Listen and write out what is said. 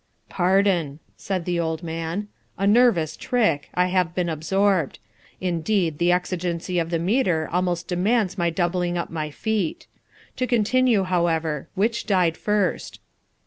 "Pardon," said the old man. "A nervous trick, I have been absorbed; indeed, the exigency of the metre almost demands my doubling up my feet. To continue, however; which died first?"